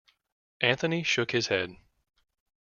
Anthony shook his head.